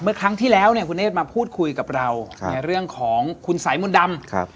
เมื่อครั้งที่แล้วคุณเนธมาพูดคุยกับเราในเรื่องของคุณสายมุนดำครับ